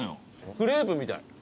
クレープみたい。